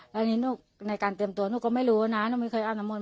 แล้วนี้นุ๊กในการเตรียมตัวนุ๊กก็ไม่รู้นะนุ้กมีเคยอ่านน้ำมนมาก่อน